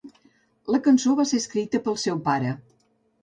La cançó va ser escrita pel seu pare.